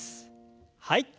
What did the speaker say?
はい。